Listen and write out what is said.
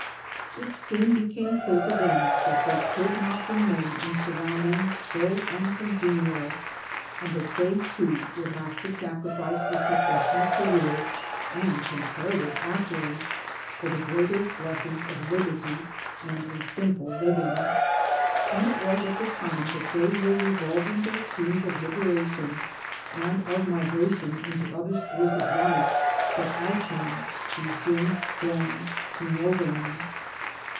It soon became clear to them that they could, not remain in surroundings so uncongenial, and that they too would have to sacrifice a profes sional career and comparative affluence for the greater blessings of liberty and a simple living ; and it was at the time when they were revolving their schemes of liberation and of migration into other spheres of life that I came through Jim Joynes to know them.